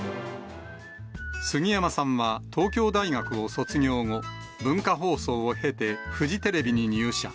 すぎやまさんは東京大学を卒業後、文化放送を経て、フジテレビに入社。